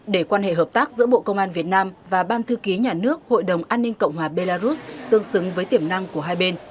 để quan hệ hợp tác giữa bộ công an việt nam và ban thư ký nhà nước hội đồng an ninh cộng hòa belarus tương xứng với tiềm năng của hai bên